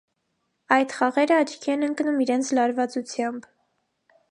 Այդ խաղերը աչքի են ընկնում իրենց լարվածությամբ։